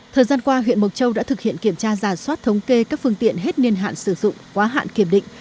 thời gian qua huyện mộc châu đã thực hiện kiểm tra giả soát thống kê các phương tiện hết niên hạn sử dụng quá hạn kiểm định